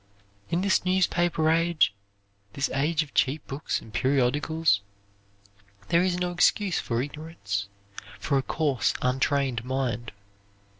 In this newspaper age, this age of cheap books and periodicals, there is no excuse for ignorance, for a coarse, untrained mind.